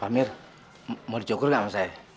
pak mir mau di cukur nggak sama saya